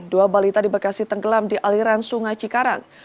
dua balita di bekasi tenggelam di aliran sungai cikarang